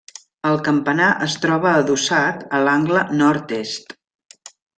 El campanar es troba adossat a l'angle nord-est.